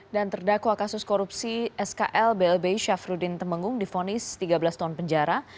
dan terdakwa kasus korupsi skl blb syafruddin temenggung di vonis tiga belas tahun penjara